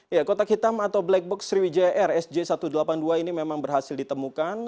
ya kotak hitam atau black box sriwijaya rsj satu ratus delapan puluh dua ini memang berhasil ditemukan